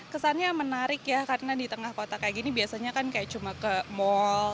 kesannya menarik ya karena di tengah kota kayak gini biasanya kan kayak cuma ke mall